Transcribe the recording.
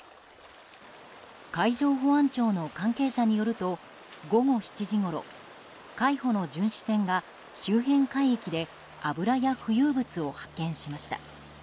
海上保安庁の関係者によると午後７時ごろ海保の巡視船が周辺海域で油や浮遊物を発見しました。